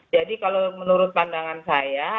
jadi kalau menurut pandangan saya